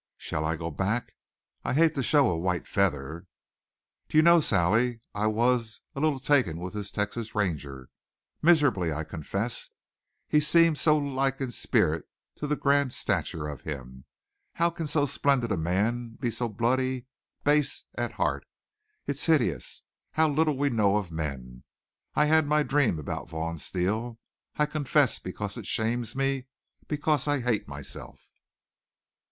Shall I go back? I hate to show a white feather. "Do you know, Sally, I was a little taken with this Texas Ranger. Miserably, I confess. He seemed so like in spirit to the grand stature of him. How can so splendid a man be so bloody, base at heart? It's hideous. How little we know of men! I had my dream about Vaughn Steele. I confess because it shames me because I hate myself!"